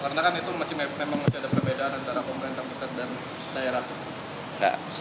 karena kan itu masih memang ada perbedaan antara pemerintah besar dan daerah